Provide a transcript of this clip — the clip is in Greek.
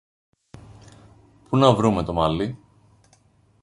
Πού να βρούμε μαλλί;